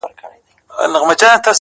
o په دې پردي وطن كي،